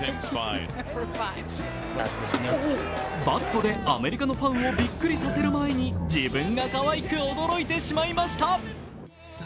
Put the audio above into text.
バットでアメリカのファンをびっくりさせる前に自分がかわいく驚いてしまいました。